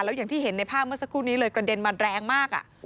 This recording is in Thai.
แล้วอย่างที่เห็นในภาพเมื่อสักครู่นี้เลยกระเด็นมาแรงมาก